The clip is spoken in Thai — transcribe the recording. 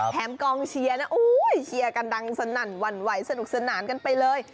กองเชียร์นะเชียร์กันดังสนั่นหวั่นไหวสนุกสนานกันไปเลย